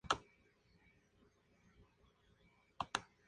Fue creada por Patricio Gamonal y Elizabeth Carmona.